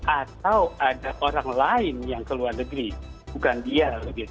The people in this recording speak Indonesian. atau ada orang lain yang keluar negeri bukan dia